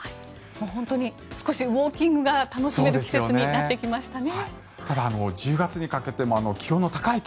本当に少しウォーキングが楽しめる季節になってきましたね。